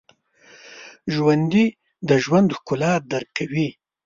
ژوندي د ژوند ښکلا درک کوي